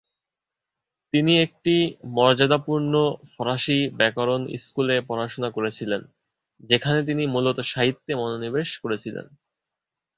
তিনি একটি মর্যাদাপূর্ণ ফরাসি ব্যাকরণ স্কুলে পড়াশোনা করেছিলেন, যেখানে তিনি মূলত সাহিত্যে মনোনিবেশ করেছিলেন।